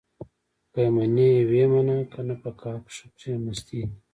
که يې منې ويې منه؛ که نه په کاکښه کې مستې دي.